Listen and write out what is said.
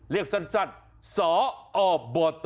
เรียกสั้นสอบต